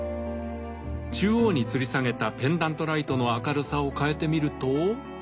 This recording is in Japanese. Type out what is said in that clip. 中央につり下げたペンダントライトの明るさを変えてみると。